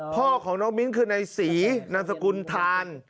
พ่อของน้องมิ้นคือนายศรีนามสกุลทาน